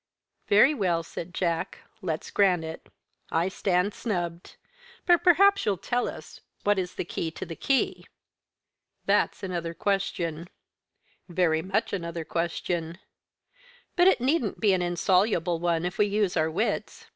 "Very well," said Jack. "Let's grant it. I stand snubbed. But perhaps you'll tell us what is the key to the key?" "That's another question." "Very much another question." "But it needn't be an insoluble one, if we use our wits.